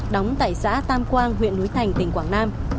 đóng tại xã tam quang huyện núi thành tỉnh quảng nam